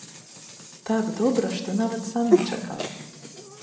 Так добра, што нават сам не чакаў.